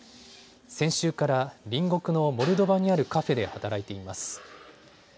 先週から隣国のモルドバにあるカフェで働いています。